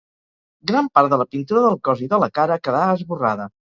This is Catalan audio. Gran part de la pintura del cos i de la cara quedà esborrada.